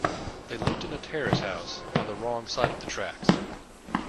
They lived in a terrace house, on the wrong side of the tracks